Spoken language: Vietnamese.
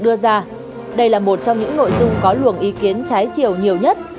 đưa ra đây là một trong những nội dung có luồng ý kiến trái chiều nhiều nhất